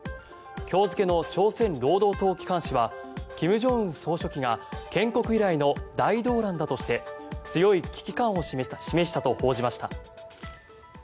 今日付の朝鮮労働党機関紙は金正恩総書記が建国以来の大動乱だとして強い危機感を示したと報じました。